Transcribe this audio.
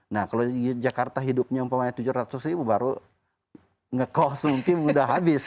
nah kalau di jakarta hidupnya umpamanya tujuh ratus ribu baru ngekonsumsi sudah habis